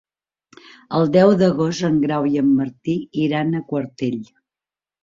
El deu d'agost en Grau i en Martí iran a Quartell.